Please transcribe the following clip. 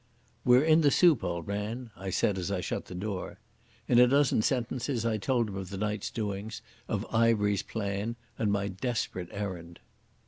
"We're in the soup, old man," I said as I shut the door. In a dozen sentences I told him of the night's doings, of Ivery's plan and my desperate errand.